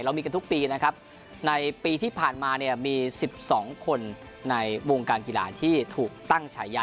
มีกันทุกปีนะครับในปีที่ผ่านมาเนี่ยมี๑๒คนในวงการกีฬาที่ถูกตั้งฉายา